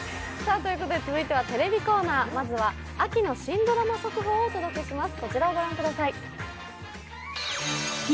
続いてはテレビコーナー、まずは秋の新ドラマ速報をお届けします。